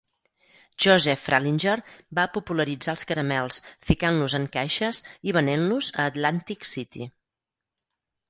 Joseph Fralinger va popularitzar els caramels fincant-los en caixes i venent-los a Atlantic City.